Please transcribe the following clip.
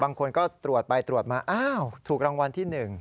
บางคนก็ตรวจไปตรวจมาอ้าวถูกรางวัลที่๑